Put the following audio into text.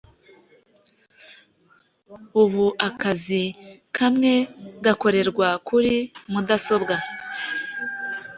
ubu akazi kamwe gakorerwa kuri mudasobwa